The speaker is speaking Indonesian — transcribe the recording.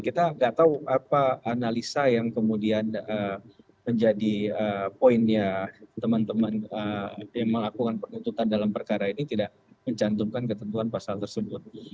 kita nggak tahu apa analisa yang kemudian menjadi poinnya teman teman yang melakukan penuntutan dalam perkara ini tidak mencantumkan ketentuan pasal tersebut